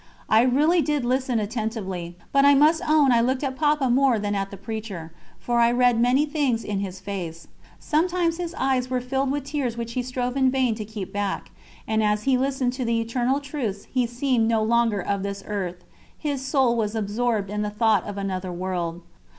I really did listen attentively, but I must own I looked at Papa more than at the preacher, for I read many things in his face. Sometimes his eyes were filled with tears which he strove in vain to keep back; and as he listened to the eternal truths he seemed no longer of this earth, his soul was absorbed in the thought of another world.